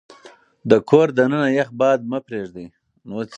د کور دننه يخ باد مه پرېږدئ.